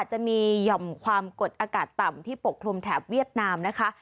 จะมีหย่อมความกดอากาศต่ำที่ปกคลุมแถบเวียดนามนะคะ